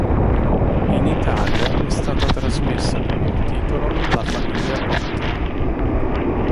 In Italia è stata trasmessa con il titolo "La famiglia Potter".